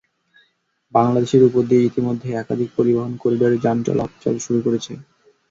বাংলাদেশের ওপর দিয়ে ইতিমধ্যেই একাধিক পরিবহন করিডরে যান চলাচল শুরু করেছে।